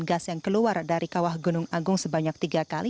gas yang keluar dari kawah gunung agung sebanyak tiga kali